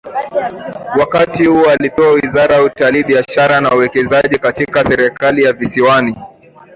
Wakati huu alipewa wizara ya Utalii Biashara na Uwekezaji katika serikali ya visiwani